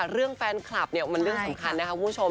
เรื่องแฟนคลับเนี่ยมันเรื่องสำคัญนะคะคุณผู้ชม